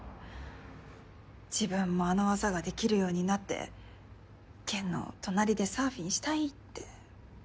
自分もあの技ができるようになってケンの隣でサーフィンしたいって。